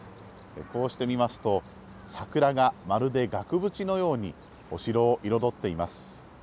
こうして見ますと、桜がまるで額縁のように、お城を彩っています。